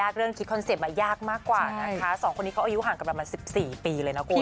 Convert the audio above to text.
คือเขาก็บอกเยอะเขาก็ต้องเต็มที่